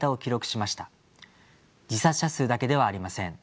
自殺者数だけではありません。